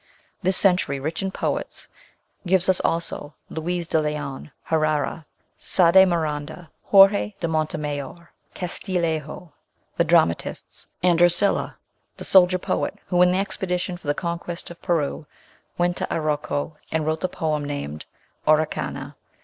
This century, rich in poets, gives us also Luis de Leon, Herrera, Saade Miranda, Jorge de Montemayor, Castillejo, the dramatists; and Ercilla, the soldier poet, who, in the expedition for the conquest of Peru went to Arauco, and wrote the poem named Araucana.